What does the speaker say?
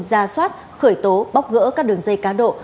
ra soát khởi tố bóc gỡ các đường dây cá độ